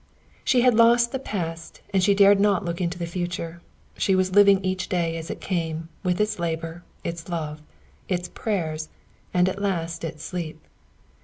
She had lost the past and she dared not look into the future. So she was living each day as it came, with its labor, its love, its prayers and at last its sleep.